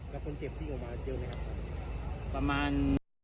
แล้วคนเจ็บที่ออกมาเจอไหมครับประมาณ